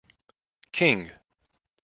King.